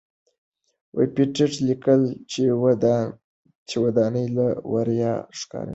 پېټټ لیکلي چې ودانۍ له ورایه ښکاري.